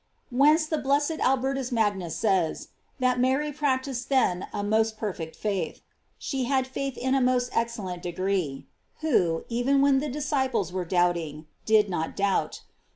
§ Whence the blessed Albertus Magnus says, that Mary practised then a most perfect faith. She had faith in a most excellent degree; who, even when the disciples were doubting, did not doubt.